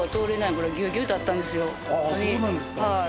ああそうなんですか。